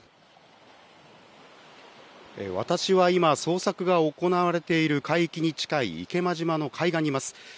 私は今、捜索が行われている海域に近い池間島の海岸にいます。